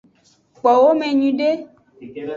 Kpowo me nyuiede.